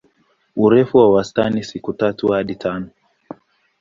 Urefu wa wastani siku tatu hadi tano.